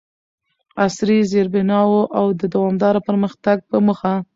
عصري زیربناوو او دوامداره پرمختګ په موخه،